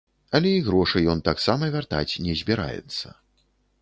Але і грошы ён таксама вяртаць не збіраецца.